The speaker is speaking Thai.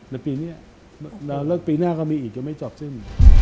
ในปีนี้แล้วปีหน้าก็มีอีกจะไม่จบสิ้น